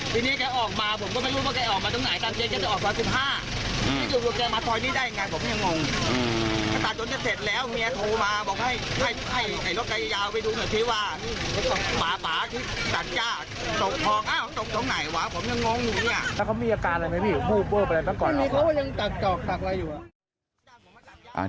บาสัตว์จ้าตกตรงไหนวะผมยังงงอยู่เนี่ย